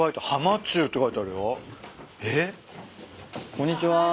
こんにちは。